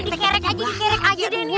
dikerek aja dikerek aja den ya